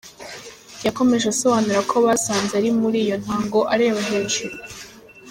Yakomeje asobanura ko basanze ari muri iyo ntango areba hejuru.